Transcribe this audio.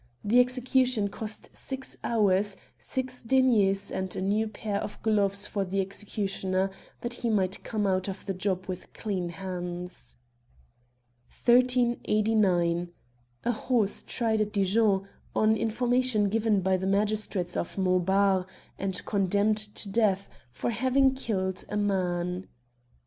The execution cost six sous, six deniers, and a new pair of gloves for the executioner, that he might come out of the job with clean hands. 1389. A horse tried at Dijon, on information given by the magistrates of Montbar, and condemned to death, for having killed a man.